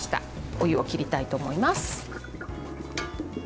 お湯を切りたいと思います。